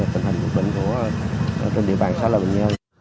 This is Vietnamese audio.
tình hình bệnh của địa bàn xã lợi bình nhơn